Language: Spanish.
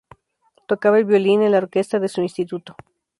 Tocaba el violín en la orquesta de su instituto.